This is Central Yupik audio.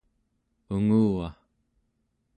unguva